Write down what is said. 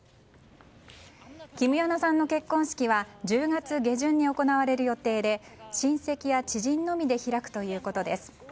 キム・ヨナさんの結婚式は１０月下旬に行われる予定で親戚や知人のみで開くということです。